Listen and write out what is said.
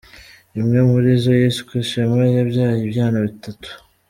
Imwe muri zo yiswe Shema yabyaye ibyana batatu.